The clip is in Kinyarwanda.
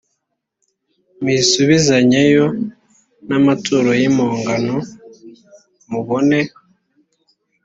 muyisubizanyeyo n amaturo y impongano mubone